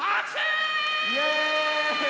イエーイ！